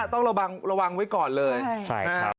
ต้องระวังไว้ก่อนเลย